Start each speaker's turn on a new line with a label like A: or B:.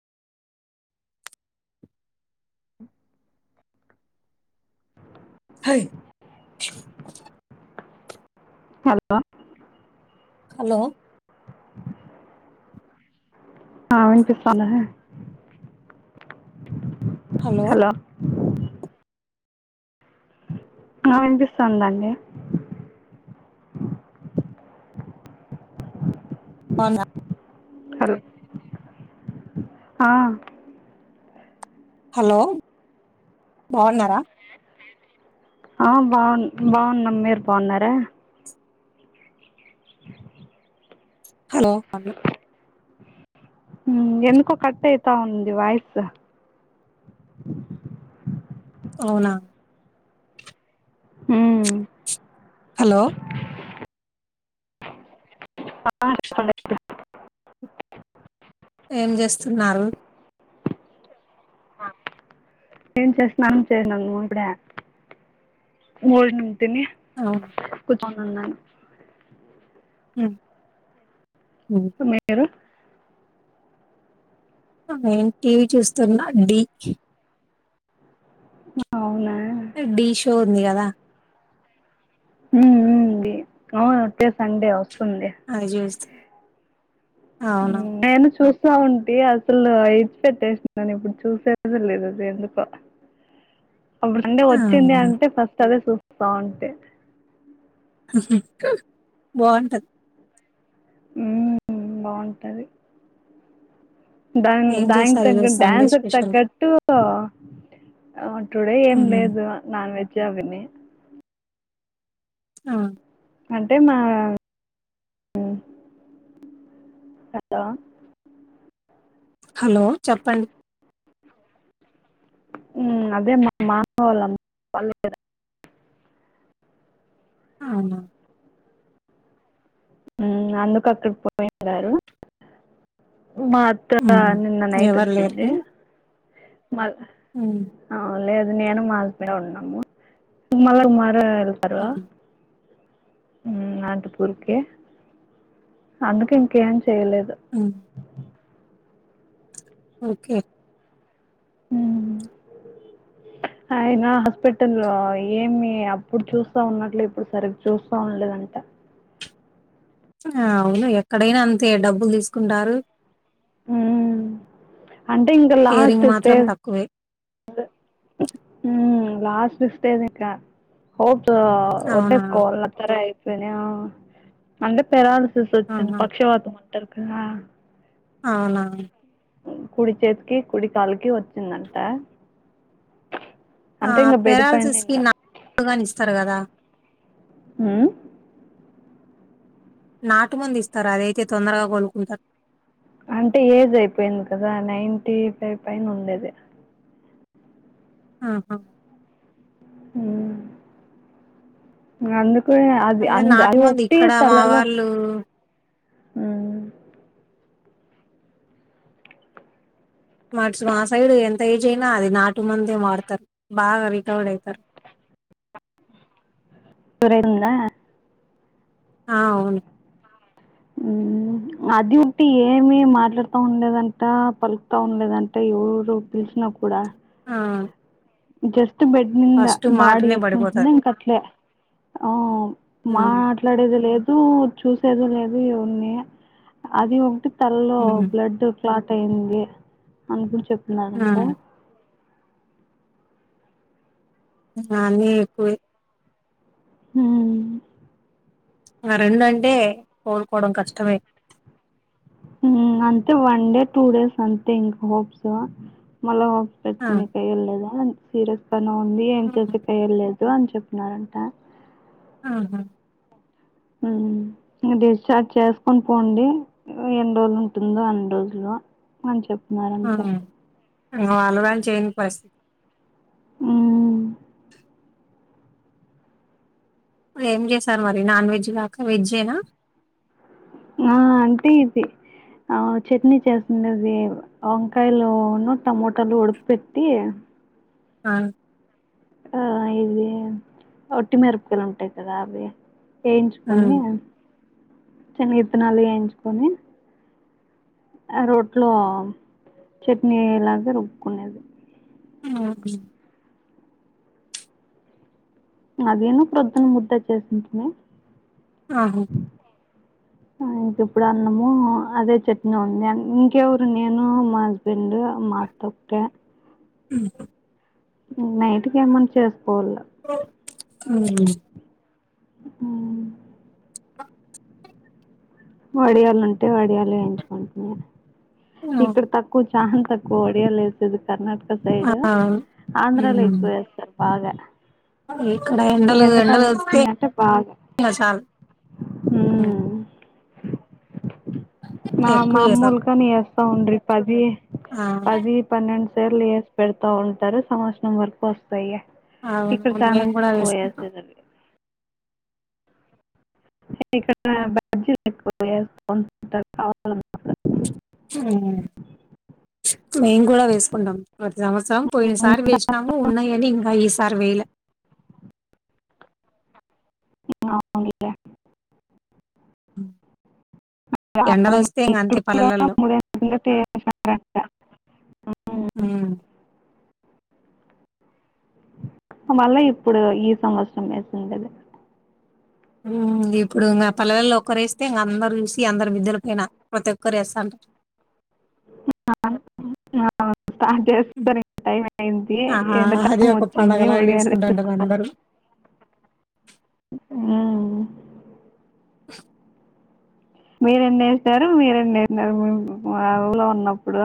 A: [inaudible]
B: Hi [unintelligible]
A: hello [unintelligible]
B: hello
A: వినిపిస్తాను [unintelligible]
B: hello
A: hello hello వినిపిస్తుందండి
B: అవునా [unintelligible]
A: హలో ఆ
B: హలో బాగున్నారా
A: ఆ బాగు బాగున్నాం మీరు బాగున్నారా
B: హలో [unintelligible]
A: ఎందుకో కట్ అయితా ఉంది వాయిస్
B: అవునా
A: ఉం
B: హలో
A: స [unintelligible]
B: ఏం చేస్తున్నారు
A: ఏం చేస్తన్నాన చేసను ఇప్పుడ డి నుం తిని [unintelligible]
B: అవు
A: తక్కుత ఉన్నాయి [unintelligible]
B: ఉం ఉం
A: మీరు
B: నేం టీవీ చూస్తున్న డీ
A: అవునా
B: డి షో ఉంది కదా
A: ఉం ఉం ఉంది అవును అట్టే సండే వస్తుంది
B: అది చూస్తా
A: ఉం నేను చూసు ఉంట అసలు ఎస్ పెట్టేసిని ఇప్పుడు చూసేస లేదు అది ఎందు [unintelligible] కో అప్పుడుండి వచ్చింది
B: అవునా.
A: అంటే ఫస్ట్ అదే చూస్తా ఉంటే
B: బాగుంటది
A: ఉం బాగుంటది దాన్
B: ఏం
A: దానికి
B: చేశారు
A: తగ
B: ఈరోజు సండే
A: డ్యాన్స్కు
B: స్పెషల్
A: తగట్టు ఆ టుడే ఏం
B: ఉమ్,
A: లేదు నాన్ వెజ్ అవిని
B: ఆ
A: అంటే మా హలో
B: హలో చెప్పండి
A: అదే మా మా వాళ్ళమ్ళ్ళ [unintelligible]
B: అవునా
A: ఉం అందుకు అక్కడికి పోయిగారు [unintelligible] మా అత్త
B: ఉమ్,
A: నిన్న నైట్
B: ఎవరు
A: వచ్చింది మా
B: ఉం
A: అ లేదు నేను మా హస్బెండ్ ఉన్నాము మళ్ళ [unintelligible] కుమారు వెళ్తారు
B: ఉమ్,
A: ఉం అనంతపూర్కే అందుకే ఇంకేం చెయలేదు
B: ఉం ఓకే
A: అయినా హాస్పిటల్ ఏమి అప్పుడు చూస్తా ఉన్నట్లు ఇప్పుడు సరిగ్ చూస్తా ఉండలేదంట
B: ఆ అవును ఎక్కడైనా అంతే డబ్బులు తీసుకుంటారు
A: ఉం అంటే ఇంగ లాస్ట్
B: కేరింగ్ మాత్రం
A: స్టేజ్
B: తక్కువే
A: ఉం లాస్ట్ స్టేజ్ ఇక [unintelligible] హోపు
B: అవునా
A: వద్లేసుకోవల్ తర అయితేనే అంద పరా [unintelligible] చ్చ
B: ఆహా
A: పక్షవాతమంటారుకు
B: అవునా
A: కుడి చేతికి కుడి కాలుకి వచ్చిందంట అంటే ఇంగ బెడ్ పైన్నే ఇంగ
B: గానిస్తారు కదా
A: మ్
B: నాటు మందు ఇస్తారు అదయితే తొందరగా కోలుకుంటారు
A: అంటే ఏజ్ అయిపోయింది కదా నైన్ీ ఫైవ్ పైైన ఉండేది
B: ఆహా
A: మ్ అందుకు అది అందు అది ఒటి తలలో
B: హలో
A: మ్
B: మట్స్ మా సైడ్ ఎంత ఏజ్ అయినా అది నాటు మందే వాడతారు బాగా రికవర్డ్ అవుతారు
A: రతుందా
B: ఆ అవును
A: మ్ అది ఉంటే ఏమి మాట్లాడుతా ఉండదంట పలుకుతా ఉండదంట ఎవరు పిలిచినా కూడా
B: ఆ
A: జస్ట్ బెడ్ ంద
B: ఫస్ట్
A: బాడి
B: మాటనే
A: ఎట్లుంటుందో
B: పడిపోతారు
A: ఇంక అట్లే ఆ మాట్
B: ఉమ్
A: మాట్లాడేది లేదు చూసేది లేదు ఎవరిని అది ఒకటి తళ్ళో
B: ఉమ్
A: బ్లడ్ క్లాట్ అయింది అనుకోని చెప్తున్నాడంట
B: అన్ని ఎక్కువే
A: మ్
B: ఆ రెండు అంటే కోలుకోవడం కష్టమే
A: మ్ అంతే వన్ డే టూ డేస్ అంతే ఇంకా హోప్స్ మళ్ళ
B: ఆ
A: పెట్టుకునే కయ్యల్లేదా సీరియస్గానే ఉంది ఏం
B: హ్మ్.
A: చేసే కయ్యలేదు అని చెప్పినారంట
B: ఆహా
A: మ్ డిశ్చార్జ్ చేసుకోని పోండి ఎన్నిడు రోజులు ఉంటుందో అన్ని రోజులు అని చెప్తున్నారు
B: ఆ
A: అంతే
B: వాళ్ళు వాళ్ళు చేయని పర్
A: మ్
B: ఏం చేశారు మరి నాన్ వెజ్ కాకా వెజ్జేనా
A: ఆ అంటే ఇది ఆ చట్నీ చేసింది అది వంకాయలును టమోటాలు ఉడుక పెట్టి
B: అ
A: ఆ ఇవి ఒట్టిమిరపకాయలు ఉంటాయి కదా అవి
B: ఉమ్,
A: వేయించుకొని శనిగిత్తనాలు వేయించుకొని ఆ రోట్లో చట్నీ లాగ రుబ్బుకునేది
B: ఆహా
A: అదీన్ను ప్రొద్దున్న ముద్ద చేసింటీని
B: ఆహో
A: ఇంక ఇప్పుడు అన్నము అదే చట్నీ ఉంది అ ఇంకెవరు నేను మా హస్బెండ్ మా తోక్కే
B: మ్
A: నైట్కి ఏమన్నా చేసుకోవల
B: మ్
A: ఊ వడియాలు ఉంటే వడియాలు ఏయించుకుంటున్నా
B: ఉమ్,
A: ఇక్కడ త కు చాన్ తక్కువ ఒడియాలు ఏసేది కర్ణాటక
B: ఆ,
A: సైడ్ ఆంధ్రాలో
B: ఉమ్.
A: ఎక్కువ వేస్తారు బాగ
B: ఇక్కడ
A: ఈ
B: ఎండలు ఎండలు
A: ఎండకాలం
B: వస్తే
A: వచ్చిందంటే బాగ
B: ఇంకా చాలు ఉమ్,
A: హూ మా
B: ఎక్కువ చేస్తారు
A: మామూల్గనే ఏస్తా ఉండ్రి పదీ
B: ఆ,
A: పదీ పన్నెండు సార్ర్లు ఏసి పెడతా ఉంటారు సంవత్సరం వరకు ఒస్తయి
B: అవును
A: ఇక్కడ చాన
B: మేము కూడా
A: కువ
B: వేసుకుంటాం
A: ఏసేది అవి ఇక్కడా [unintelligible] ఏస్కుంటరు [unintelligible]
B: చూమ్ మేమ్ గూడ వేసుకుంటాం ప్రతి సంవత్సరం పోయినసారి వేస్నాము ఉన్నాయని ఇంకా ఈసారి వేయలే
A: అవు [unintelligible]
B: ఉమ్, ఎండలు ఒస్తే అంతె
A: ఇక్కడ
B: ఇంగ
A: కూడా
B: పల్లెలల్లో
A: మూడేళ్ళ కిందట వేసినారంట
B: ఊ
A: మళ్ళ ఇప్పుడు ఈ సంవత్సరం ఏసిండేది
B: ఊమ్ ఇప్పుడు ఇంగ పల్లెలలైలో ఒక్కరు ఏస్తే ఇంగ అందరు యూసి అందరు మిద్దెల పైన ప్రతి ఒక్కరు ఏస్తాంటారు
A: [unintelligible] ఆ ఆ చేస్తారు [unintelligible] టైం అయింది
B: ఆహా! అది
A: ఎండకాలం
B: ఒక
A: ఒచ్చింది
B: పండగలాగా
A: వడియాలు
B: చేసుకుంటాంటారు అందరూ.
A: [unintelligible] ఊమ్ మీరు ఎన్ని ఏశారు మీరు ఎన్ని ఏశారు ఆ ఊర్లో ఉన్నప్పుడు